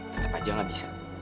tetep aja gak bisa